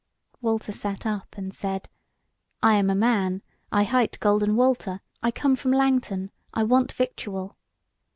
Walter sat up and said: "I am a man; I hight Golden Walter; I come from Langton; I want victual."